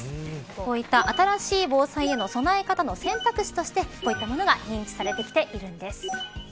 こういった新しい防災への備え方の選択肢としてこういったものが認知されてきているんです。